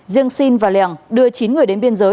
riêng sinh và lèng đưa chín người đến biên giới